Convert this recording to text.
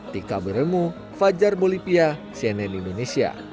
tika beremu fajar bolivia cnn indonesia